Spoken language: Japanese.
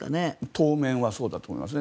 当面はそうだと思いますね。